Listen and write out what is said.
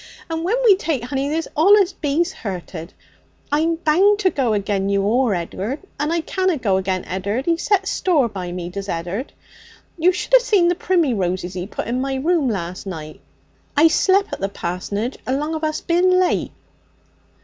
And when we take honey there's allus bees hurted. I'm bound to go agen you or Ed'ard, and I canna go agen Ed'ard; he sets store by me, does Ed'ard. You should 'a seen the primmyroses he put in my room last night; I slep' at the parsonage along of us being late.'